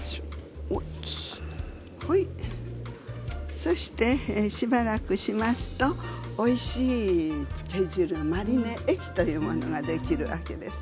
そして、しばらくしますとおいしいつけ汁マリネ液というものができるわけです。